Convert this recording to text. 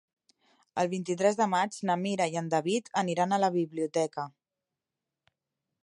El vint-i-tres de maig na Mira i en David aniran a la biblioteca.